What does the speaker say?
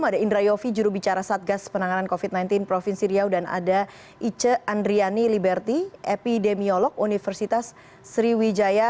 ada indra yofi jurubicara satgas penanganan covid sembilan belas provinsi riau dan ada ice andriani liberti epidemiolog universitas sriwijaya